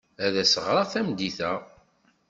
Ad as-ɣreɣ tameddit-a.